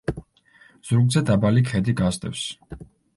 ზურგზე დაბალი ქედი გასდევს.